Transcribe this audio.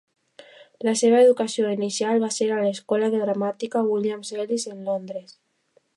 La seva educació inicial va ser a l'escola de gramàtica Williams Ellis de Londres.